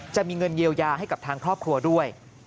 จะมีเงินเยียวยาให้กับทางครอบครัวด้วย